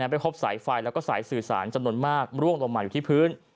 ไปพบสายไฟแล้วก็สายสื่อสารจำนวนมากร่วงลงมาอยู่ที่พื้น